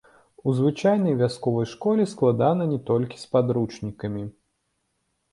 У звычайнай вясковай школе складана не толькі з падручнікамі.